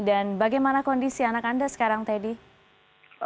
dan bagaimana kondisi anak anda sekarang teddy